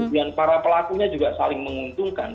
dan para pelakunya juga saling menguntungkan